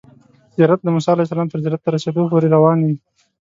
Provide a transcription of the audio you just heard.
زیارت د موسی علیه السلام تر زیارت ته رسیدو پورې روان وي.